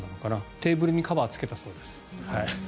テーブルにカバーをつけたそうです。